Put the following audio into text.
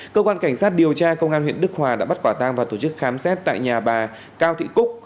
cơ quan cảnh sát điều tra công an huyện đức hòa đã bắt quả tang và tổ chức khám xét tại nhà bà cao thị cúc